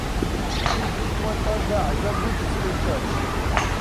He frequented the Azabu Christian Church.